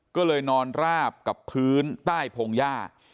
ก็เลยนอนราบกับพื้นใต้พงหญ้า